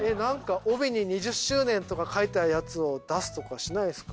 帯に「２０周年」とか書いたやつを出すとかしないんすか？